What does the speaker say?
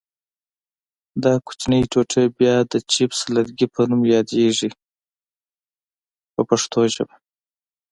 دا کوچنۍ ټوټې بیا د چپس لرګي په نوم یادیږي په پښتو ژبه.